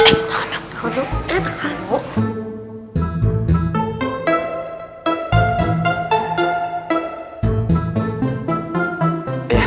eh tak kakak dong